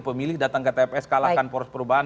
pemilih datang ke tps kalahkan poros perubahan